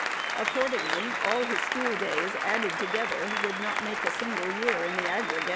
Accordingly, all his school days added together would not make a single year in the aggregate.